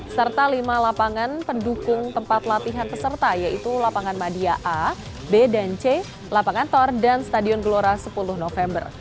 serta lima lapangan pendukung tempat latihan peserta yaitu lapangan madia a b dan c lapangan tor dan stadion gelora sepuluh november